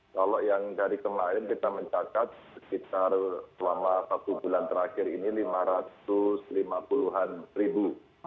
kalau yang dari kemarin kita mencatat sekitar selama satu bulan terakhir ini lima ratus lima puluh an ribu